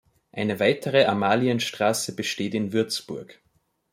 Eine weitere Amalienstraße besteht in Würzburg.